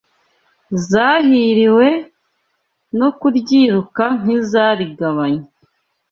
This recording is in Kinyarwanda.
zahiriwe no kuryiruka nk’izarigabanye